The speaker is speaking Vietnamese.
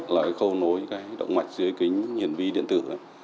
là cái khâu nối cái động mạch dưới kính hiển vi điện tử